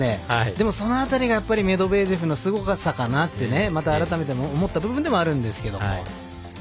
でも、その辺りがメドベージェフのすごさかなってまた改めて思った部分ではあるんですけども。